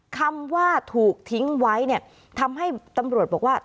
คำว่าถูกทิ้งไว้เนี่ยทำให้ตำรวจบอกว่า